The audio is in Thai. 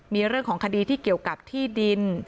มีเรื่องของคดีที่เกี่ยวกับที่ดิน